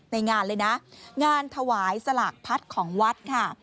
ในงานเลยนะงานถวายสลากพัดของวัดค่ะ